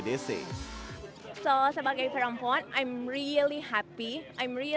jadi sebagai perempuan saya sangat senang